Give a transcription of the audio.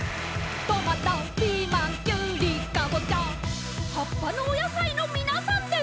「トマトピーマンキュウリカボチャ」「はっぱのおやさいのみなさんです」